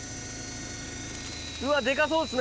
⁉うわでかそうっすね！